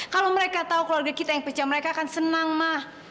kalau mereka tahu keluarga kita yang pecah mereka akan senang mah